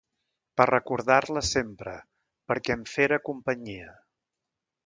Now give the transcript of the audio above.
Per recordar-la sempre, perquè em fera companyia.